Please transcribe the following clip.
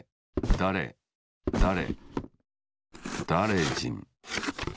だれだれ